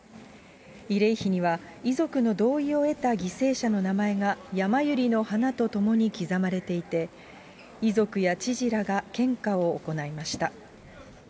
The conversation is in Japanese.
慰霊碑には、遺族の同意を得た犠牲者の名前がやまゆりの花と共に刻まれていて、遺族や知事らが献花を行いました。